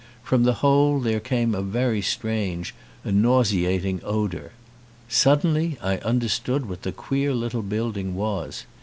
From the hole there came a very strange, a nauseating odour. Suddenly I understood what the queer little build ing was.